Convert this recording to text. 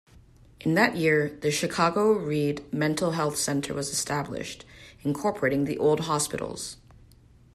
In that year, the Chicago-Read Mental Health Center was established, incorporating the old hospitals.